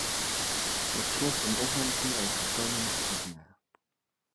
Tot slot een opmerking over de komende verkiezingen.